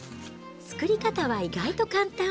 作り方は意外と簡単。